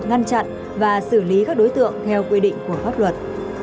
ngăn chặn và xử lý các đối tượng theo quy định của pháp luật